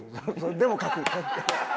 でも書く。